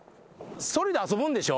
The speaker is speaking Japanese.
ソリで遊ぶんでしょ？